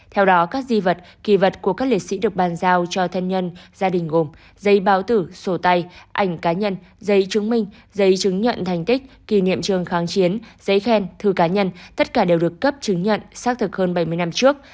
theo đó các di vật kỳ vật của các liệt sĩ được bàn giao cho thân nhân gia đình gồm giấy báo tử sổ tay ảnh cá nhân giấy chứng minh giấy chứng nhận thành tích kỷ niệm trường kháng chiến giấy khen thư cá nhân tất cả đều được cấp chứng nhận xác thực hơn bảy mươi năm trước